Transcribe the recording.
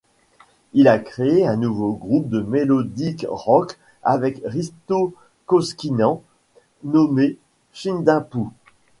Il a créé un nouveau groupe de Mélodic Rock avec Risto Koskinen nommé Sydänpuu.